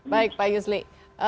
baik pak yusli